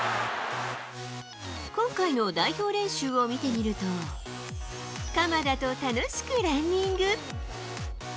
今回の代表練習を見てみると、鎌田と楽しくランニング。